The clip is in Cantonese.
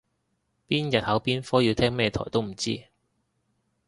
邊日考邊科要聽咩台都唔知